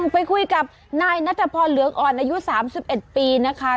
ไปคุยกับนายนัทพรเหลืองอ่อนอายุ๓๑ปีนะคะ